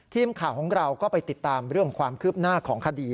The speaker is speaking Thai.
ทีมข่าวของเราก็ไปติดตามเรื่องความคืบหน้าของคดี